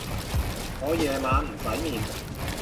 我夜晚唔使面